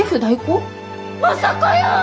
まさかやー！